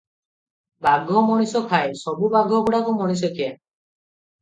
ବାଘ ମଣିଷ ଖାଏ - ସବୁବାଘ ଗୁଡ଼ାକ ମଣିଷଖିଆ?